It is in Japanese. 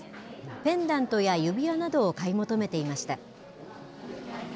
ペンダントや指輪などを買い求めていました。